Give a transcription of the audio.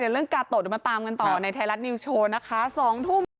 เรื่องกาโตะเดี๋ยวมาตามกันต่อในไทยรัฐนิวสโชว์นะคะ๒ทุ่ม